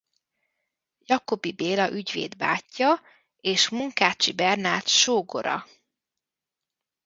Jacobi Béla ügyvéd bátyja és Munkácsi Bernát sógora.